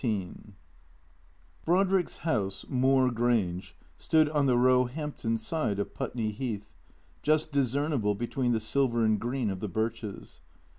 XIX BRODRICK'S house, Moor Grange, stood on the Roehamp ton side of Putney Heath, just discernible between the silver and green of the birches.